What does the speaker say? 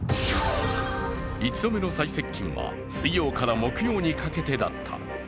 １度目の最接近は水曜から木曜にかけてだった。